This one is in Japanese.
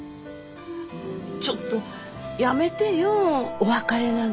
ちょっとやめてよお別れなんて。